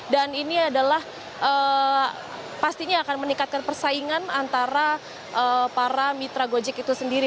dan ini adalah pastinya akan meningkatkan persaingan antara para mitra gojek itu sendiri